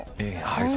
はい。